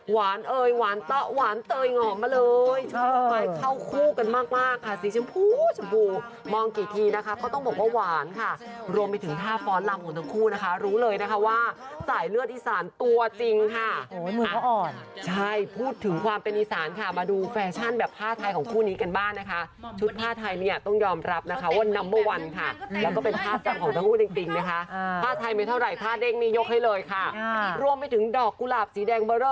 หวานเอ๋ยหวานเต๋าหวานเต๋ยหวานเต๋ยหวานเต๋ยหวานเต๋ยหวานเต๋ยหวานเต๋ยหวานเต๋ยหวานเต๋ยหวานเต๋ยหวานเต๋ยหวานเต๋ยหวานเต๋ยหวานเต๋ยหวานเต๋ยหวานเต๋ยหวานเต๋ยหวานเต๋ยหวานเต๋ยหวานเต๋ยหวานเต๋ยหวานเต๋ยหวานเต๋ยหวานเต